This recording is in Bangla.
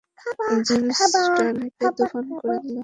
জেন্টস টয়লেটে তুফান করে দিলে!